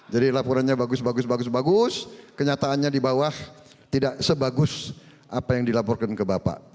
jadi laporannya bagus bagus kenyataannya di bawah tidak sebagus apa yang dilaporkan ke bapak